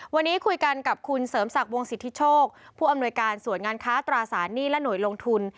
วันนี้คุยกันกับคุณเสริมศักดิ์วงสิทธิโชคผู้อำนวยการส่วนงานค้าตราสารหนี้และหน่วยลงทุน